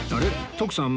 徳さん